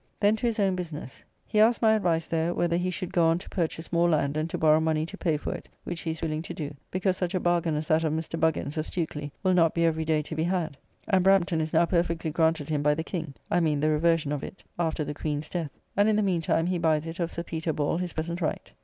Then to his own business. He asked my advice there, whether he should go on to purchase more land and to borrow money to pay for it, which he is willing to do, because such a bargain as that of Mr. Buggins's, of Stukely, will not be every day to be had, and Brampton is now perfectly granted him by the King I mean the reversion of it after the Queen's death; and, in the meantime, he buys it of Sir Peter Ball his present right.